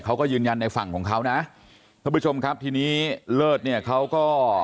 เขาก็ยืนยันในฝั่งของเขานะท่านผู้ชมครับทีนี้เลิศเนี่ยเขาก็